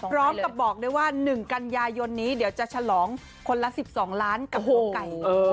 พร้อมกับบอกเลยว่าหนึ่งกัญญายนนี้เดี๋ยวจะฉลองคนละ๑๒ล้านกับโต๊ะไก่